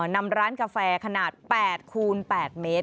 นำร้านกาแฟขนาด๘คูณ๘เมตร